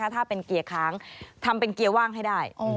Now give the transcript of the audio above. ถ้าเป็นเกียร์ค้างทำเป็นเกียร์ว่างให้ได้